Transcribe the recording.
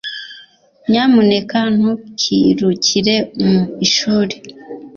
Nyamuneka ntukirukire mu ishuri